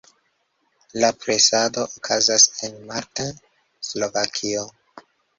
La presado okazas en Martin, Slovakio.